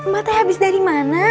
mak teh habis dari mana